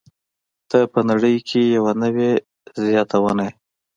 ته په نړۍ کې یوه نوې زياتونه يې.